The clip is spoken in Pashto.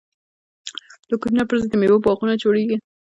د کوکنارو پر ځای د میوو باغونه جوړیږي.